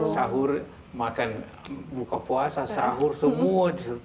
sahur makan buka puasa sahur semua di situ